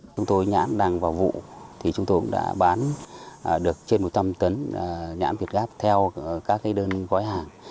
chúng tôi nhãn đang vào vụ thì chúng tôi cũng đã bán được trên một trăm linh tấn nhãn việt gáp theo các đơn gói hàng